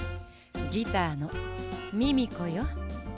ギターのミミコよ。